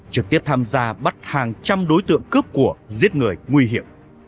trực tiếp tham gia bắt hàng trăm đối tượng cướp của giết người nguy hiểm